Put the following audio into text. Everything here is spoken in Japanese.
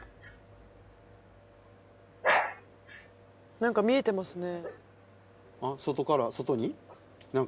何か見えてますね。